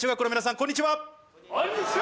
こんにちは。